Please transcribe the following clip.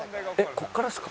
ここからですか？